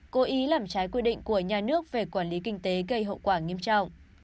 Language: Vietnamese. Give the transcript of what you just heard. cố ý làm trái quy định của nhà nước về quản lý kinh tế gây hậu quả nghiêm trọng